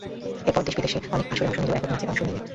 এরপর দেশে বিদেশে অনেক আসরে অংশ নিলেও একক নাচে অংশ নিইনি।